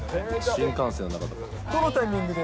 新幹線の中とかで。